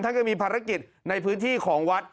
ก็มีภารกิจในพื้นที่ของวัด